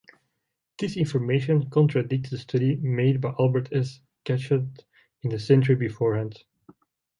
This information contradicts the study made by Albert S. Gatschet in the century beforehand.